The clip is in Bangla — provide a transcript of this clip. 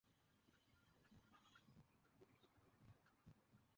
শাহিন যশোর সদরের ঝুমঝুমপুর এলাকার টেকনিক্যাল স্কুল অ্যান্ড কলেজের কারিগরি কোর্সের ছাত্র ছিল।